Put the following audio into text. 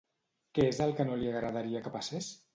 Què és que el no li agradaria que passés?